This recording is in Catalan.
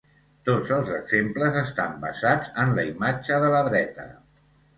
Tots els exemples estan basats en la imatge de la dreta.